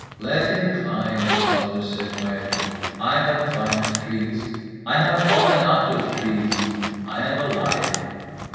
—"Let him climb," his father said quietly. "I have climbed trees. I have fallen out of trees. I am alive."